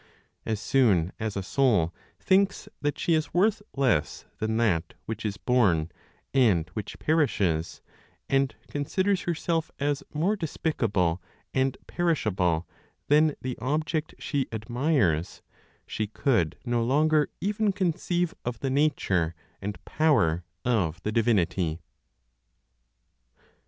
As soon as a soul thinks that she is worth less than that which is born and which perishes, and considers herself as more despicable and perishable than the object she admires, she could no longer even conceive of the nature and power of the divinity.